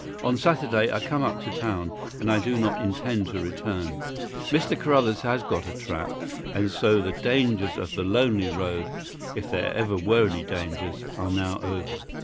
On Saturday I come up to town and I do not intend to return. Mr. Carruthers has got a trap, and so the dangers of the lonely road, if there ever were any dangers, are now over.